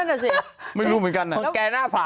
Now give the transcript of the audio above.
นายไปหาคนเลยเนอะ